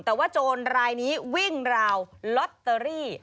แต่ว่าโจรรายนี้วิ่งราวลอตเตอรี่